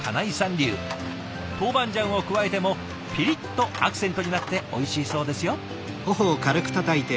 トウバンジャンを加えてもピリッとアクセントになっておいしいそうですよ。